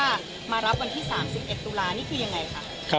รับไปตั้งแต่วันที่สิบเด็ดตุลา